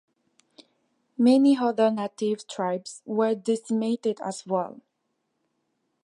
Many other Native tribes were decimated as well.